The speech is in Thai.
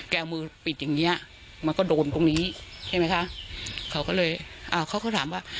มือปิดอย่างเงี้ยมันก็โดนตรงนี้ใช่ไหมคะเขาก็เลยอ่าเขาก็ถามว่า